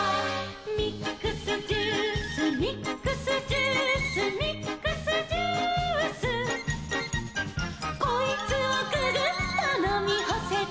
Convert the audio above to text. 「ミックスジュースミックスジュース」「ミックスジュース」「こいつをググッとのみほせば」